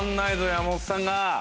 山本さんが。